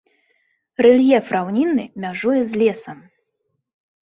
Рэльеф раўнінны, мяжуе з лесам.